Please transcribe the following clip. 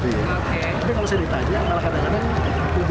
bacanya bukan karena saya lupa